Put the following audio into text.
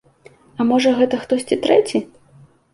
А, можа, гэта хтосьці трэці?